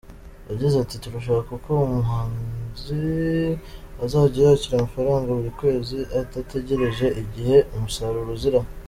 Yagize ati “Turashaka uko umuhinzi azajya yakira amafaranga buri kwezi adategereje igihe umusaruro uzazira.